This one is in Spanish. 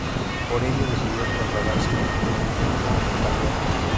Por ello, decidió trasladarse por un tiempo a Caldera.